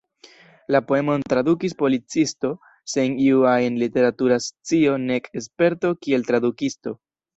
La poemon tradukis policisto sen iu ajn literatura scio nek sperto kiel tradukisto.